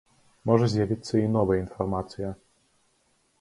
Можа з'явіцца і новая інфармацыя.